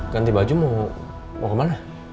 ganti baju mau kemana